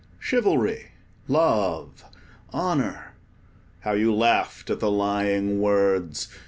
Chivalry, love, honour! how you laughed at the lying words.